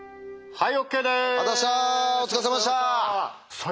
はい。